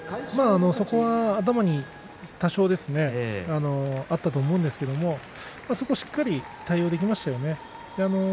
そこは頭にあったと思うんですがそこをしっかり対応できましたね。